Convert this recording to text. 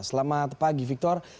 selamat pagi victor